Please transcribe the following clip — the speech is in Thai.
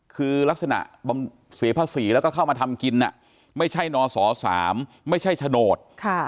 คือลักษณะเสียภาษีแล้วก็เข้ามาทำกินไม่ใช่นศ๓ไม่ใช่โฉนด